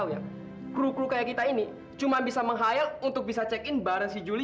iya deket secara fisik aja di